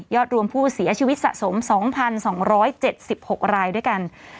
รวมผู้เสียชีวิตสะสม๒๒๗๖รายด้วยกัน